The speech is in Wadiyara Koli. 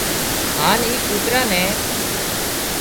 هانَ اي ڪوترا نين